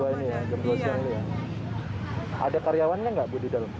ada karyawannya nggak bu di dalam